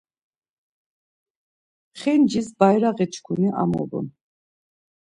Xincis Bayraği çkuni amobun.